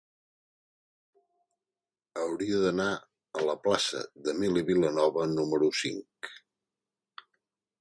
Hauria d'anar a la plaça d'Emili Vilanova número cinc.